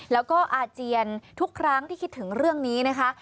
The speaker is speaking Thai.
แล้วก็อาเจียนทุกครั้งที่คิดถึงเรื่องนี้นะคะ